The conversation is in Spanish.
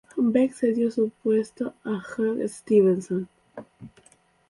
Beck cedió su puesto a Hugh Stevenson.